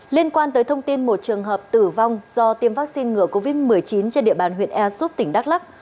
liên quan tới thông tin một trường hợp tử vong do tiêm vaccine ngừa covid một mươi chín trên địa bàn huyện ea súp tỉnh đắk lắc